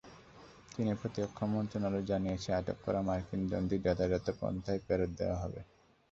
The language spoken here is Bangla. চীনের প্রতিরক্ষা মন্ত্রণালয় জানিয়েছে, আটক করা মার্কিন ড্রোনটি যথাযথ পন্থায় ফেরত দেওয়া হবে।